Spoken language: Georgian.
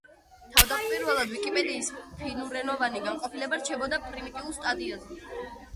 თავდაპირველად ვიკიპედიის ფინურენოვანი განყოფილება რჩებოდა პრიმიტიულ სტადიაზე.